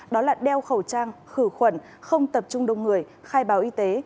đó là đeo khẩu trang khử khuẩn không tập trung đông người khai báo y tế